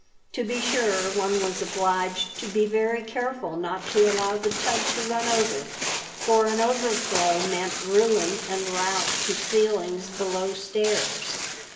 To be sure, one was obliged to be very careful not to allow the tub to run over, for an overflow meant ruin and rout to ceilings below stairs.